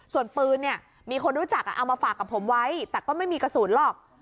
ส่วนปืนเนี่ยมีคนรู้จักเอามาฝากกับผมไว้แต่ก็ไม่มีกระสุนหรอก